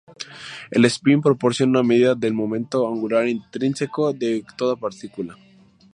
El espín proporciona una medida del momento angular intrínseco de toda partícula.